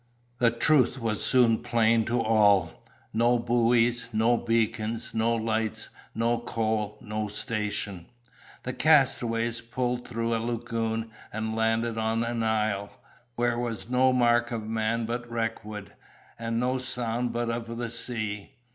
The truth was soon plain to all. No buoys, no beacons, no lights, no coal, no station; the castaways pulled through a lagoon and landed on an isle, where was no mark of man but wreckwood, and no sound but of the sea.